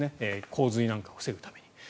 洪水なんかを防ぐために。